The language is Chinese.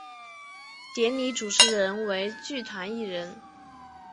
典礼主持人为剧团一人。